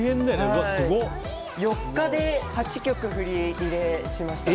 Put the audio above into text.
４日で８曲振り入れをしましたね。